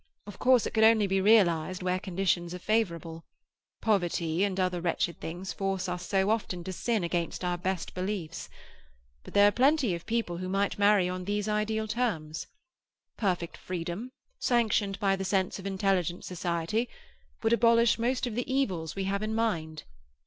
Of course it could only be realized where conditions are favourable; poverty and other wretched things force us so often to sin against our best beliefs. But there are plenty of people who might marry on these ideal terms. Perfect freedom, sanctioned by the sense of intelligent society, would abolish most of the evils we have in mind.